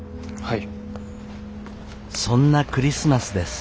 そんなクリスマスです。